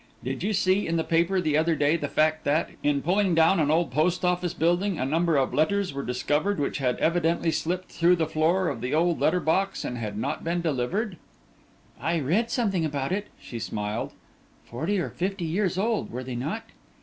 Did you see in the paper the other day the fact that, in pulling down an old post office building, a number of letters were discovered which had evidently slipped through the floor of the old letter box, and had not been delivered?" "I read something about it," she smiled; "forty or fifty years old, were they not?"